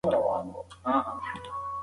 یا په بل عبارت